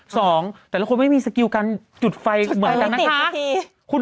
ก็ก็ไม่มีสกิลการจุดไฟเหมือนกันนะคะ